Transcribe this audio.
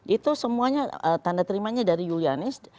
itu semuanya tanda terimanya dari julianis